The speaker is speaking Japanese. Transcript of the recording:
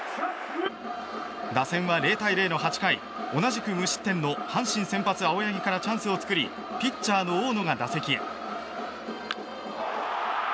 打線は０対０の８回同じく無失点の阪神、青柳からチャンスを作りチャンスを作りピッチャーの大野が打席へ。